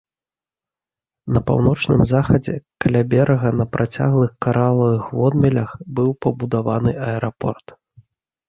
На паўночным захадзе каля берага на працяглых каралавых водмелях быў пабудаваны аэрапорт.